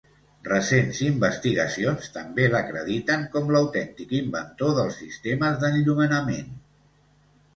Recents investigacions, també l'acrediten com l'autèntic inventor dels sistemes d'enllumenament.